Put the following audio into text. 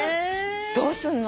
どうすんの？